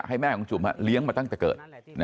ให้แม่ของจุ๋มเลี้ยงมาตั้งแต่เกิด